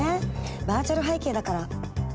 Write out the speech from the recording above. バーチャル背景だから」。